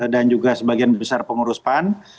dan juga sebagian besar pengurus pan